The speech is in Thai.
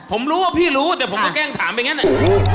ผมรู้ว่าพี่รู้แต่ผมก็แกล้งถามไปงั้นอ่ะ